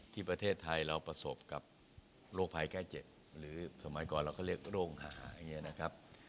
ที่ประเทศไทยเราประสบกับโรคภัยใกล้เจ็ดหรือสมัยก่อนเราก็เรียกโรงหา